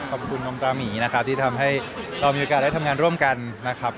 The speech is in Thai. ขอบคุณน้องตามีนะครับที่ทำให้เรามีโอกาสได้ทำงานร่วมกันนะครับ